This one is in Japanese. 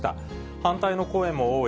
反対の声も多い